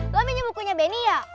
lo minum bukunya benny ya